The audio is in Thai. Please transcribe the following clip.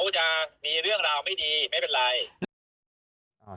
โทษจ้างมีเรื่องราวไม่ดีไม่เป็นไร